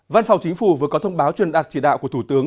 văn phòng chính phủ vừa có thông báo truyền đạt chỉ đạo của thủ tướng